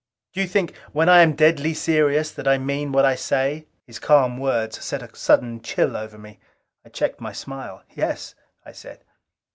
Do you think, when I am deadly serious, that I mean what I say?" His calm words set a sudden chill over me. I checked my smile. "Yes," I said.